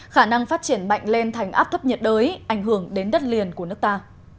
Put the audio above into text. khả năng phát triển mạnh lên thành áp thấp nhiệt đới ảnh hưởng đến đất liền của nước ta